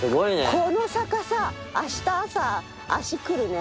この坂さ明日朝足くるね。